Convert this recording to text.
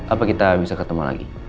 apa kita bisa ketemu lagi